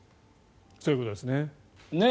そういうことですね。